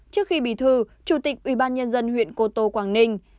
trước khi bí thư chủ tịch ubnd huyện cô tô quảng ninh